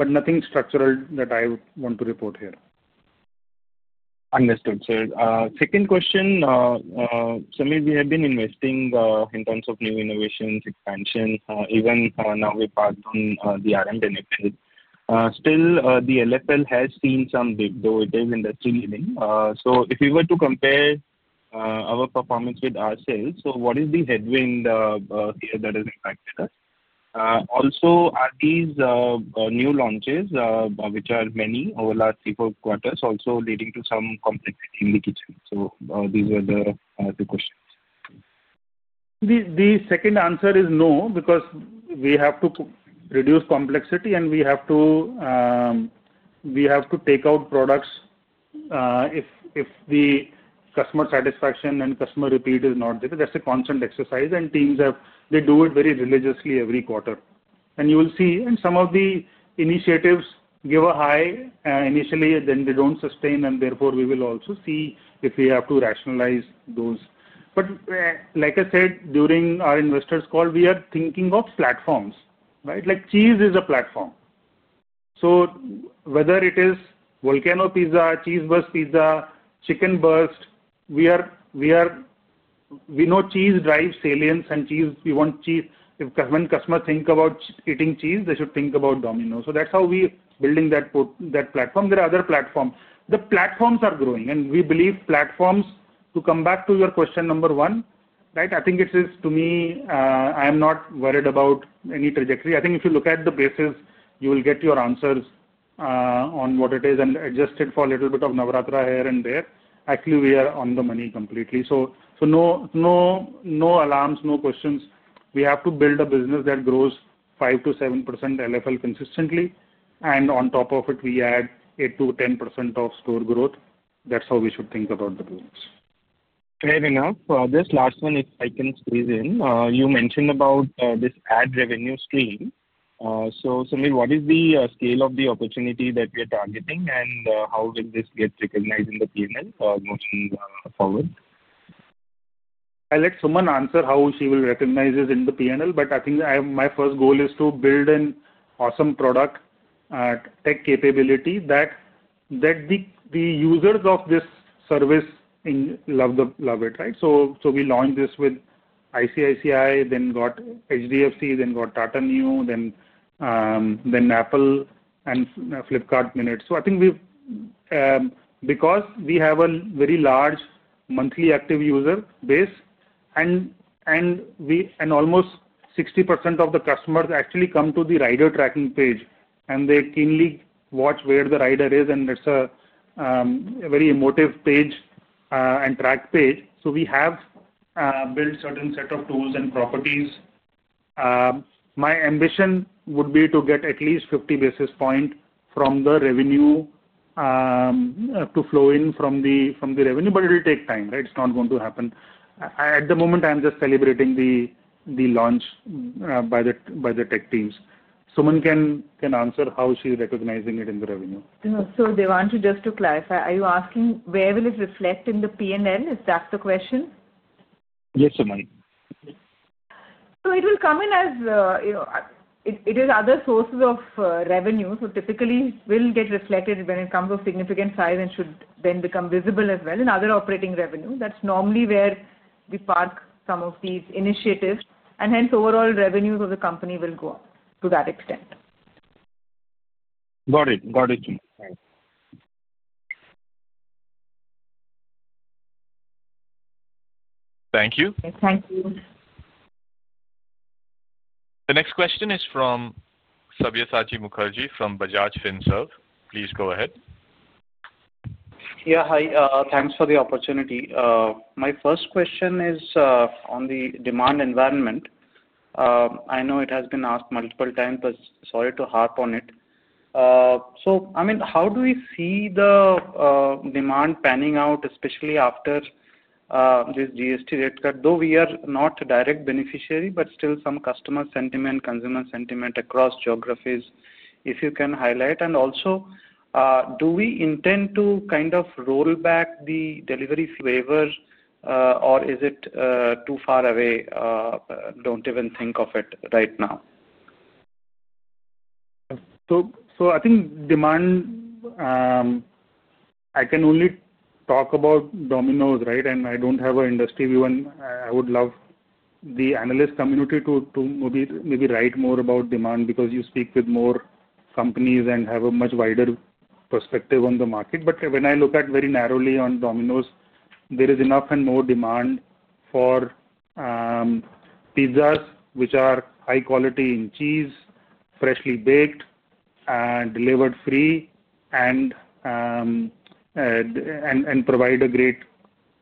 nothing structural that I want to report here. Understood, sir. Second question, Sameer, we have been investing in terms of new innovations, expansion. Even now, we're part of the R&D LFL. Still, the LFL has seen some dip, though it is industry-leading. If we were to compare our performance with ourselves, what is the headwind here that has impacted us? Also, are these new launches, which are many over the last three or four quarters, also leading to some complexity in the kitchen? These were the two questions. The second answer is no because we have to reduce complexity, and we have to take out products if the customer satisfaction and customer repeat is not there. That's a constant exercise. Teams do it very religiously every quarter. You will see, and some of the initiatives give a high initially, then they don't sustain. Therefore, we will also see if we have to rationalize those. Like I said during our investors' call, we are thinking of platforms. Cheese is a platform. Whether it is Volcano Pizza, Cheese Burst Pizza, Chicken Burst, we know cheese drives salience. We want cheese. When customers think about eating cheese, they should think about Domino's. That's how we are building that platform. There are other platforms. The platforms are growing. We believe platforms, to come back to your question number one, I think it is, to me, I am not worried about any trajectory. I think if you look at the basis, you will get your answers on what it is and adjust it for a little bit of Navratri here and there. Actually, we are on the money completely. No alarms, no questions. We have to build a business that grows 5%-7% LFL consistently. On top of it, we add 8%-10% of store growth. That is how we should think about the business. Fair enough. Just last one, if I can squeeze in. You mentioned about this ad revenue stream. So Sameer, what is the scale of the opportunity that we are targeting, and how will this get recognized in the P&L going forward? I'll let Suman answer how she will recognize this in the P&L. I think my first goal is to build an awesome product, tech capability that the users of this service love it. We launched this with ICICI, then got HDFC, then got Tata Neu, then Apple and Flipkart Minute. I think because we have a very large monthly active user base, and almost 60% of the customers actually come to the rider tracking page, and they keenly watch where the rider is, and it's a very emotive page and track page. We have built a certain set of tools and properties. My ambition would be to get at least 50 basis points from the revenue to flow in from the revenue. It will take time. It's not going to happen. At the moment, I'm just celebrating the launch by the tech teams. Suman can answer how she is recognizing it in the revenue. Devanshu, just to clarify, are you asking where will it reflect in the P&L? Is that the question? Yes, Suman. It will come in as it is other sources of revenue. Typically, it will get reflected when it comes to significant size and should then become visible as well in other operating revenue. That is normally where we park some of these initiatives. Hence, overall revenues of the company will go up to that extent. Got it. Got it. Thank you. Thank you. The next question is from Sabyasachi Mukerji from Bajaj Finserv. Please go ahead. Yeah. Hi. Thanks for the opportunity. My first question is on the demand environment. I know it has been asked multiple times, but sorry to harp on it. I mean, how do we see the demand panning out, especially after this GST rate cut? Though we are not a direct beneficiary, but still some customer sentiment, consumer sentiment across geographies, if you can highlight. Also, do we intend to kind of roll back the delivery waiver, or is it too far away? Do not even think of it right now. I think demand, I can only talk about Domino's, right? I don't have an industry view, and I would love the analyst community to maybe write more about demand because you speak with more companies and have a much wider perspective on the market. When I look very narrowly on Domino's, there is enough and more demand for pizzas which are high quality in cheese, freshly baked, and delivered free, and provide a great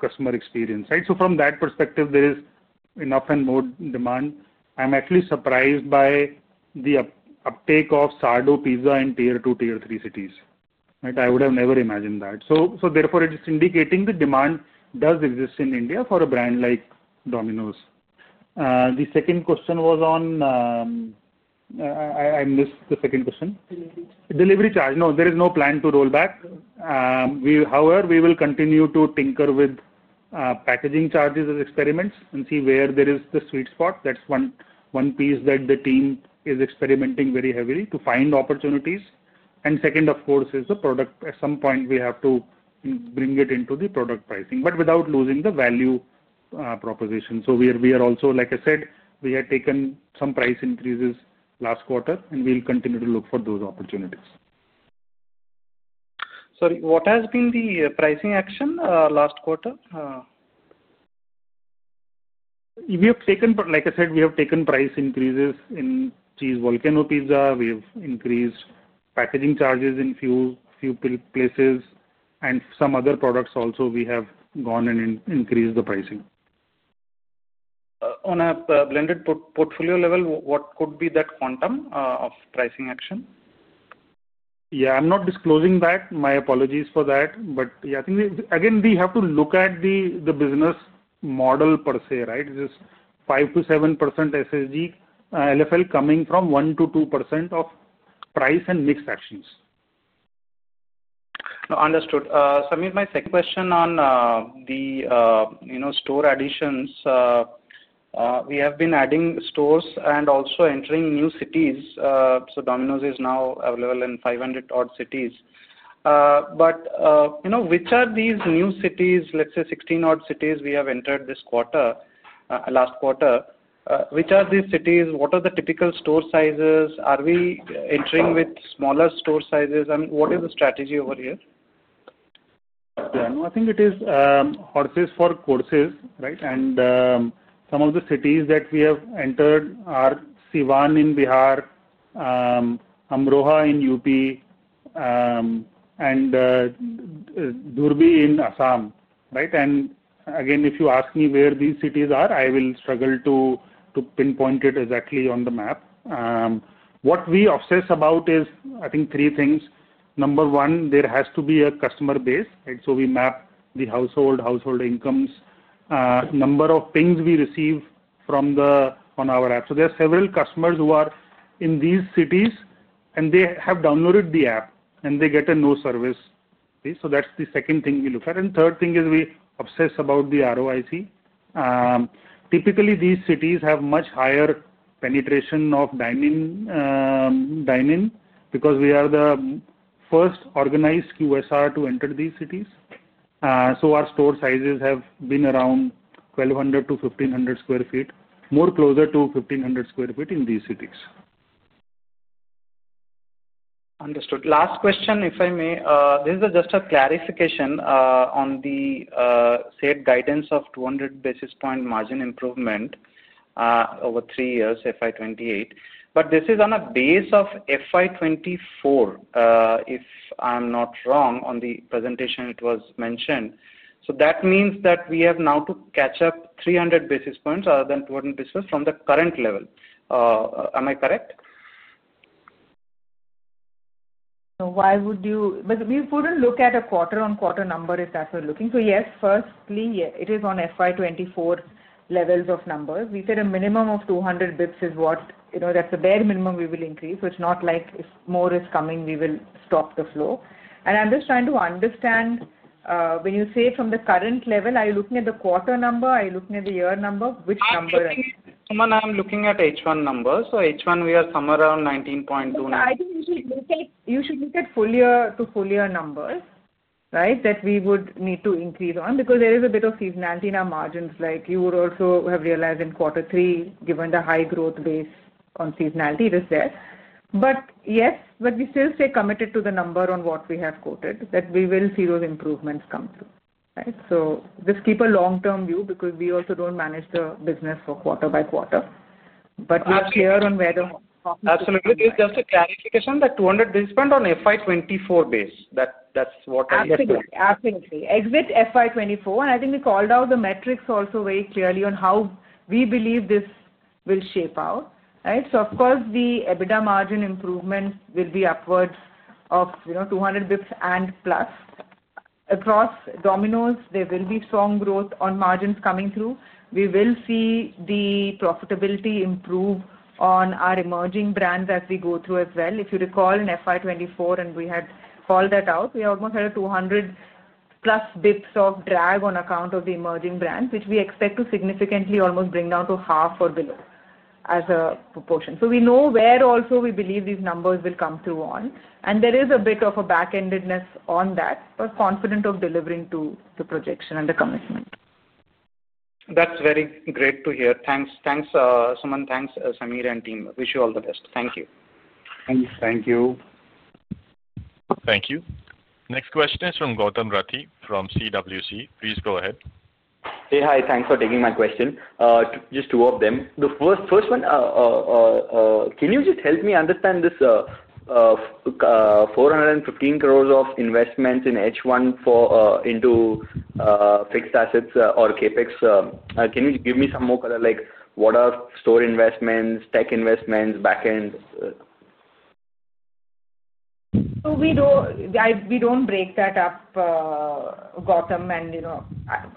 customer experience. From that perspective, there is enough and more demand. I'm actually surprised by the uptake of Sourdough Pizza in Tier 2, Tier 3 cities. I would have never imagined that. Therefore, it is indicating the demand does exist in India for a brand like Domino's. The second question was on—I missed the second question. Delivery charge. No, there is no plan to roll back. However, we will continue to tinker with packaging charges as experiments and see where there is the sweet spot. That is one piece that the team is experimenting very heavily to find opportunities. The second, of course, is the product. At some point, we have to bring it into the product pricing, but without losing the value proposition. We are also, like I said, we had taken some price increases last quarter, and we will continue to look for those opportunities. Sorry, what has been the pricing action last quarter? Like I said, we have taken price increases in cheese, Volcano Pizza. We have increased packaging charges in a few places. Some other products also, we have gone and increased the pricing. On a blended portfolio level, what could be that quantum of pricing action? Yeah. I'm not disclosing that. My apologies for that. Yeah, I think, again, we have to look at the business model per se, right? This 5%-7% SSG LFL coming from 1%-2% of price and mixed actions. Understood. Sameer, my second question on the store additions. We have been adding stores and also entering new cities. Domino's is now available in 500-odd cities. Which are these new cities, let's say 16-odd cities we have entered last quarter? Which are these cities? What are the typical store sizes? Are we entering with smaller store sizes? I mean, what is the strategy over here? Yeah. No, I think it is horses for courses, right? Some of the cities that we have entered are Siwan in Bihar, Amroha in Uttar Pradesh, and Dibrugarh in Assam. Again, if you ask me where these cities are, I will struggle to pinpoint it exactly on the map. What we obsess about is, I think, three things. Number one, there has to be a customer base. We map the household, household incomes, number of pings we receive on our app. There are several customers who are in these cities, and they have downloaded the app, and they get a no service. That is the second thing we look at. Third thing is we obsess about the ROIC. Typically, these cities have much higher penetration of dine-in because we are the first organized QSR to enter these cities. Our store sizes have been around 1,200-1,500 sq ft, more closer to 1,500 sq ft in these cities. Understood. Last question, if I may. This is just a clarification on the said guidance of 200 basis point margin improvement over three years, FY 2028. But this is on a base of FY 2024, if I'm not wrong. On the presentation, it was mentioned. That means that we have now to catch up 300 basis points rather than 200 basis points from the current level. Am I correct? Why would you? We would not look at a quarter-on-quarter number if that is what we are looking at. Yes, firstly, it is on FY 2024 levels of numbers. We said a minimum of 200 basis points is what, that is the bare minimum we will increase. It is not like if more is coming, we will stop the flow. I am just trying to understand, when you say from the current level, are you looking at the quarter number? Are you looking at the year number? Which number? Suman, I'm looking at H1 numbers. So H1, we are somewhere around 19.29. I think you should look at full year to full year numbers, right, that we would need to increase on because there is a bit of seasonality in our margins. You would also have realized in quarter three, given the high growth base on seasonality, it is there. Yes, we still stay committed to the number on what we have quoted that we will see those improvements come through. Just keep a long-term view because we also do not manage the business for quarter by quarter. We are clear on where the. Absolutely. Just a clarification, that 200 basis points on FY 2024 base. That's what I heard. Absolutely. Absolutely. Exit FY 2024. I think we called out the metrics also very clearly on how we believe this will shape out. Of course, the EBITDA margin improvement will be upward of 200 basis points and plus. Across Domino's, there will be strong growth on margins coming through. We will see the profitability improve on our emerging brands as we go through as well. If you recall, in FY 2024, and we had called that out, we almost had a 200+ basis points of drag on account of the emerging brands, which we expect to significantly almost bring down to half or below as a proportion. We know where also we believe these numbers will come through on. There is a bit of a back-endedness on that, but confident of delivering to the projection and the commitment. That's very great to hear. Thanks, Suman. Thanks, Sameer and team. Wish you all the best. Thank you. Thank you. Thank you. Next question is from Gautam Rathi from CWC. Please go ahead. Hey, hi. Thanks for taking my question. Just two of them. The first one, can you just help me understand this 415 crore of investments in H1 into fixed assets or CapEx? Can you give me some more color? What are store investments, tech investments, back-end? We do not break that up, Gautam.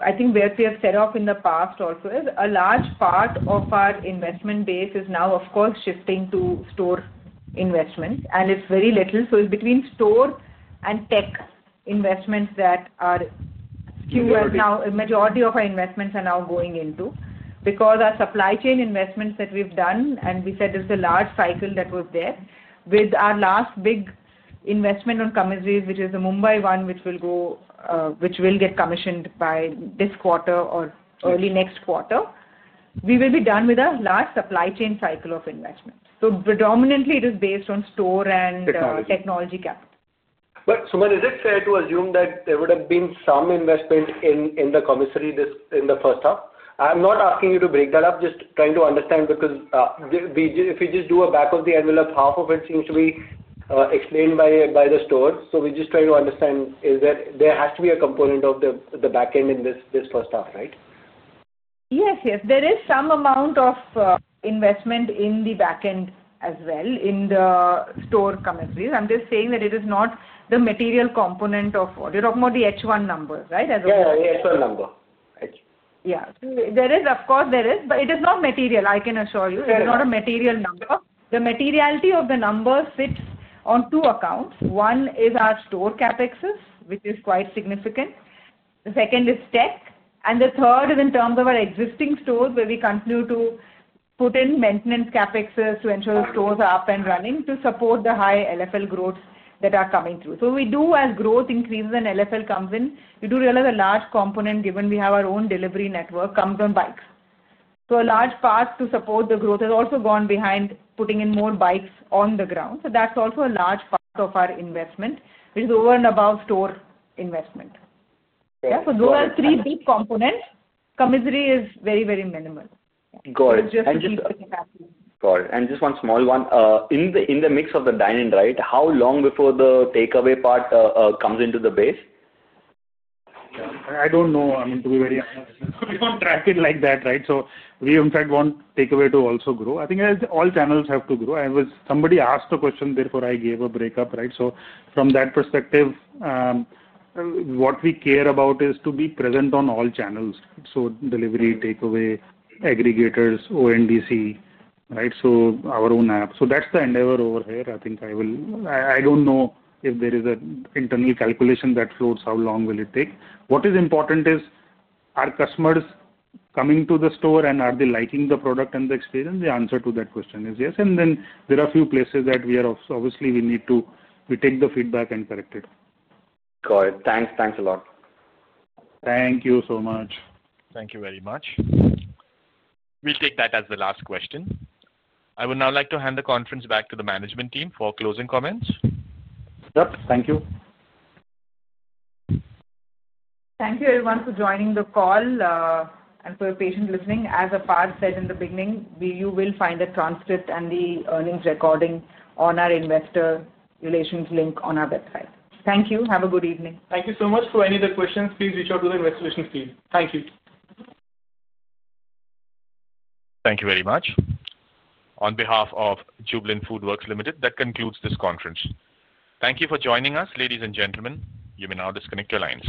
I think where we have set off in the past also is a large part of our investment base is now, of course, shifting to store investments. It is very little, so it is between store and tech investments that are fewer now. The majority of our investments are now going into, because our supply chain investments that we have done, and we said there is a large cycle that was there. With our last big investment on commissioning, which is the Mumbai one, which will get commissioned by this quarter or early next quarter, we will be done with a large supply chain cycle of investments. Predominantly, it is based on store and technology capital. Suman, is it fair to assume that there would have been some investment in the commissioning in the first half? I'm not asking you to break that up. Just trying to understand because if we just do a back-of-the-envelope, half of it seems to be explained by the stores. We're just trying to understand, is there has to be a component of the back-end in this first half, right? Yes, yes. There is some amount of investment in the back-end as well in the store commissioning. I'm just saying that it is not the material component of what you're talking about, the H1 number, right? Yeah, the H1 number. Yeah. Of course, there is, but it is not material. I can assure you. It is not a material number. The materiality of the number sits on two accounts. One is our store CapExes, which is quite significant. The second is tech. The third is in terms of our existing stores where we continue to put in maintenance CapExes to ensure stores are up and running to support the high LFL growths that are coming through. As growth increases and LFL comes in, we do realize a large component, given we have our own delivery network, comes on bikes. A large part to support the growth has also gone behind putting in more bikes on the ground. That is also a large part of our investment, which is over and above store investment. Yeah. Those are three big components. Commissioning is very, very minimal. Got it. And just one small one. In the mix of the dine-in, right, how long before the takeaway part comes into the base? I don't know. I mean, to be very honest, we can't track it like that, right? We, in fact, want takeaway to also grow. I think all channels have to grow. Somebody asked a question, therefore I gave a breakup, right? From that perspective, what we care about is to be present on all channels. Delivery, takeaway, aggregators, ONDC, right? Our own app. That's the endeavor over here. I think I will, I don't know if there is an internal calculation that floats how long will it take. What is important is our customers coming to the store and are they liking the product and the experience? The answer to that question is yes. There are a few places that we are obviously, we need to take the feedback and correct it. Got it. Thanks. Thanks a lot. Thank you so much. Thank you very much. We'll take that as the last question. I would now like to hand the conference back to the management team for closing comments. Yep. Thank you. Thank you, everyone, for joining the call and for your patience listening. As Apar said in the beginning, you will find the transcript and the earnings recording on our investor relations link on our website. Thank you. Have a good evening. Thank you so much. For any other questions, please reach out to the investor relations team. Thank you. Thank you very much. On behalf of Jubilant FoodWorks Limited, that concludes this conference. Thank you for joining us, ladies and gentlemen. You may now disconnect your lines.